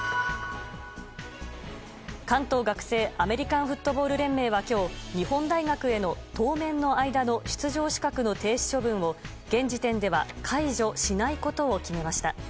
関東学生アメリカンフットボール連盟は今日日本大学への当面の間の出場資格の停止処分を現時点では解除しないことを決めました。